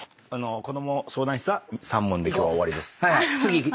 こども相談室は３問で今日は終わりです。